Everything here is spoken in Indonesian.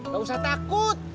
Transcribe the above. gak usah takut